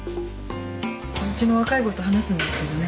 うちの若い子と話すんですけどね